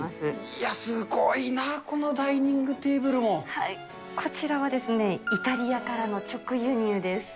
いや、すごいな、このダイニこちらはですね、イタリアからの直輸入です。